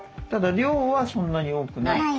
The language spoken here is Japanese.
ただ量はそんなに多くない。